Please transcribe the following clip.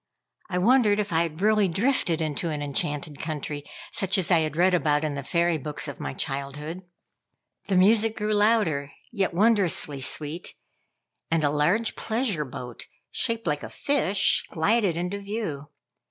I wondered if I had really drifted into an enchanted country, such as I had read about in the fairy books of my childhood. The music grew louder, yet wondrously sweet, and a large pleasure boat, shaped like a fish, glided into view.